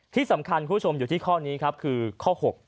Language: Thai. ที่สำคัญคุณผู้ชมอยู่ที่ข้อนี้ครับคือข้อ๖